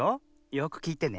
よくきいてね。